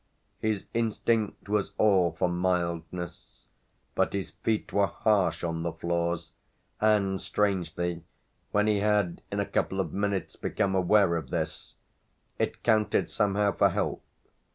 His instinct was all for mildness, but his feet were harsh on the floors, and, strangely, when he had in a couple of minutes become aware of this, it counted somehow for help.